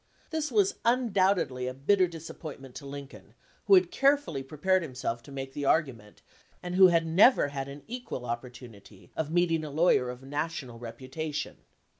This was undoubtedly a bitter disappointment to Lin coln, who had carefully prepared himself to make the argument, and who had never had an equal opportunity of meeting a lawyer of national reputation.